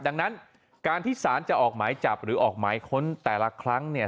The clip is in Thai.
ดังนั้นการที่สารจะออกหมายจับหรือออกหมายค้นแต่ละครั้งเนี่ย